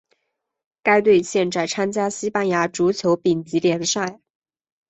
该队现在参加西班牙足球丙级联赛。